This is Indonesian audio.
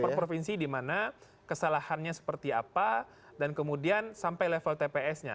perprovinsi di mana kesalahannya seperti apa dan kemudian sampai level tpsnya